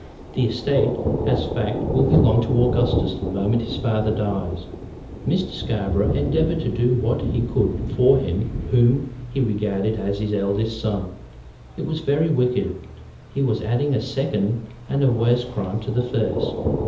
The estate, as a fact, will belong to Augustus the moment his father dies. Mr. Scarborough endeavored to do what he could for him whom he regarded as his eldest son. It was very wicked. He was adding a second and a worse crime to the first.